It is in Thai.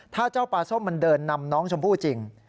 ถ้าเจ้าปลาส้มมันเดินนำน้องชมพู่จริง